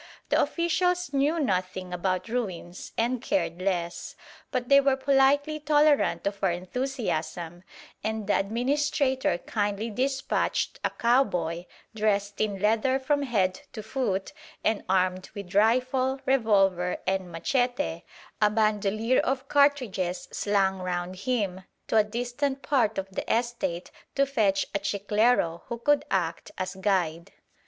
The officials knew nothing about ruins, and cared less; but they were politely tolerant of our enthusiasm, and the administrator kindly dispatched a cowboy, dressed in leather from head to foot and armed with rifle, revolver and machete, a bandolier of cartridges slung round him, to a distant part of the estate to fetch a chiclero who could act as guide.